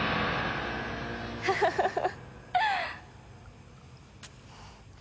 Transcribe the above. フフフフッ。